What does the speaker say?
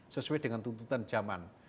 sesuai dengan tuntutan zaman